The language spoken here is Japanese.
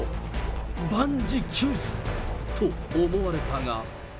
万事休す、と思われたが。